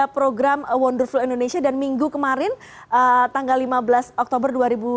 program wonderful indonesia dan minggu kemarin tanggal lima belas oktober dua ribu dua puluh